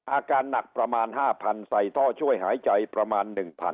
อาการหนักประมาณ๕๐๐ใส่ท่อช่วยหายใจประมาณ๑๐๐๐